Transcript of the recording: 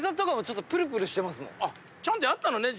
ちゃんとやったのね。